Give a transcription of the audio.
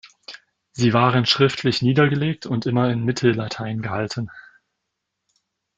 Sie waren schriftlich niedergelegt und immer in Mittellatein gehalten.